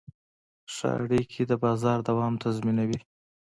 ښه اړیکې د بازار دوام تضمینوي.